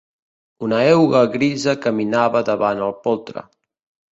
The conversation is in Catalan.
Una euga grisa caminava davant el poltre.